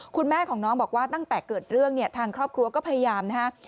คุณแม่ของน้องบอกว่าตั้งแต่เกิดเรื่องเนี่ยทางครอบครัวก็พยายามนะฮะ